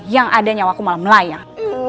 yang ada nyawaku malah melayang